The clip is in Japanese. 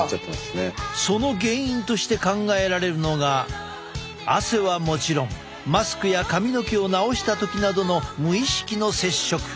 その原因として考えられるのが汗はもちろんマスクや髪の毛を直した時などの無意識の接触。